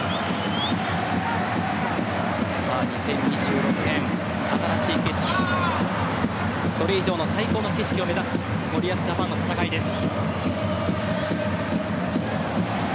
２０２６年、新しい景色それ以上の最高の景色を目指す森保ジャパンの戦いです。